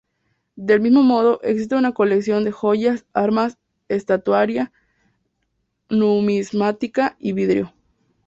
Del mismo modo, existe una colección de joyas, armas, estatuaria, numismática y vidrio.